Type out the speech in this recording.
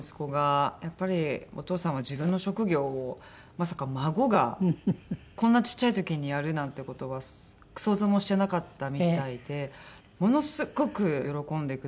やっぱりお義父さんは自分の職業をまさか孫がこんなちっちゃい時にやるなんて事は想像もしてなかったみたいでものすごく喜んでくれて。